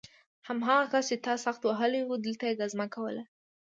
هماغه کس چې تا سخت وهلی و دلته ګزمه کوله